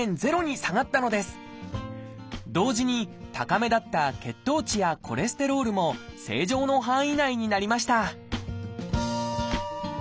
同時に高めだった血糖値やコレステロールも正常の範囲内になりました